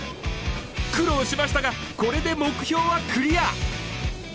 苦労しましたがこれで目標はクリアー！